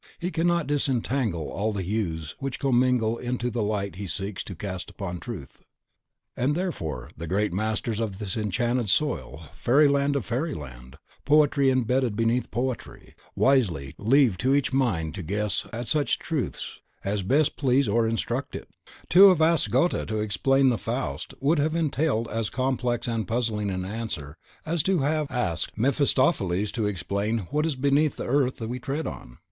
He cannot disentangle all the hues which commingle into the light he seeks to cast upon truth; and therefore the great masters of this enchanted soil, Fairyland of Fairyland, Poetry imbedded beneath Poetry, wisely leave to each mind to guess at such truths as best please or instruct it. To have asked Goethe to explain the "Faust" would have entailed as complex and puzzling an answer as to have asked Mephistopheles to explain what is beneath the earth we tread on.